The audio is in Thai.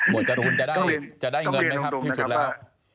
จรูนจะได้เงินไหมครับที่สุดแล้ว